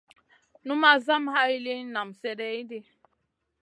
Numaʼ zam hay liyn naam slèh ɗi.